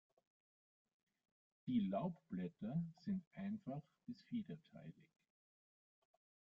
Die Laubblätter sind einfach bis fiederteilig.